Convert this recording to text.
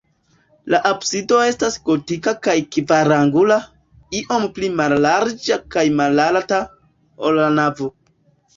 La absido estas gotika kaj kvarangula, iom pli mallarĝa kaj malalta, ol la navo.